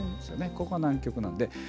ここが南極なんで。